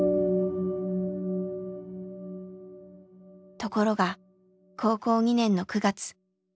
ところが高校２年の９月がんが再発。